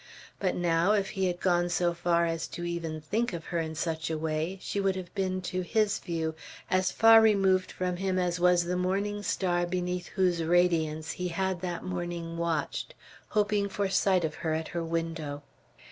But now, if he had gone so far as to even think of her in such a way, she would have been, to his view, as far removed from him as was the morning star beneath whose radiance he had that morning watched, hoping for sight of her at her window.